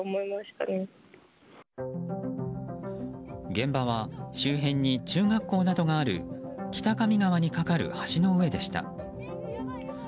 現場は周辺に中学校などがある北上川に架かる橋の上でした。